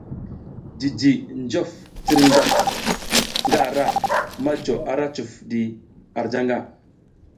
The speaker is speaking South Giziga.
Jiji jof jirgasl nga ara ma jo ara cuf di ar janga.